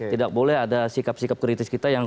tidak boleh ada sikap sikap kritis kita yang